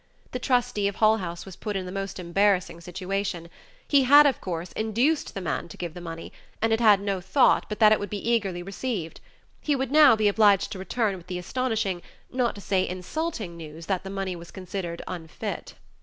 The trustee of Hull House was put in the most embarrassing situation; he had, of course, induced the man to give the money and had had no thought but that it would be eagerly received; he would now be obliged to return with the astonishing, not to say insulting, news that the money was considered unfit.